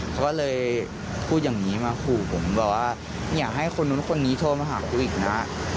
เขาก็เลยพูดอย่างนี้มาขู่ผมบอกว่าอยากให้คนนู้นคนนี้โทรมาหากูอีกนะ